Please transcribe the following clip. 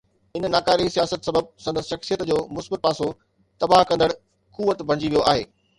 ان ناڪاري سياست سبب سندس شخصيت جو مثبت پاسو تباهه ڪندڙ قوت بڻجي ويو آهي.